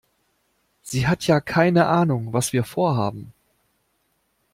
Sie hat ja keine Ahnung, was wir vorhaben.